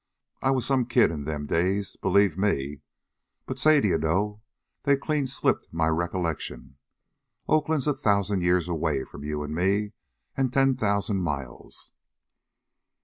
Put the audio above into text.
I was some kid in them days, believe muh. But say, d'ye know, they'd clean slipped my recollection. Oakland's a thousan' years away from you an' me, an' ten thousan' miles."